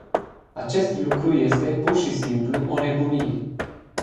Acest lucru este, pur și simplu, o nebunie.